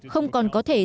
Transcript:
không còn có thể sử dụng